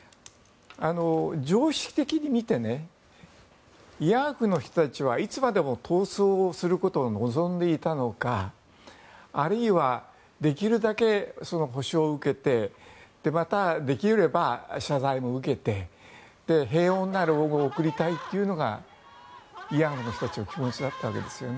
常識的に見て慰安婦の人たちはいつまでも闘争をすることを望んでいたのかあるいはできるだけ補償を受けてまたできれば謝罪も受けて平穏な老後を送りたいというのが慰安婦の人たちの気持ちだったわけですよね。